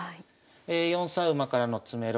４三馬からの詰めろ。